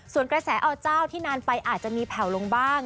ส่วนกระแสอเจ้าที่นานไปอาจจะมีแผ่วลงบ้าง